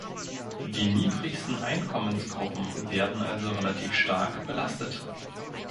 Die niedrigsten Einkommensgruppen werden also relativ stark belastet.